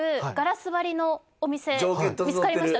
見つかりました